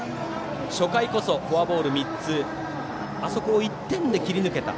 初回こそフォアボール３つあそこを１点で切り抜けた。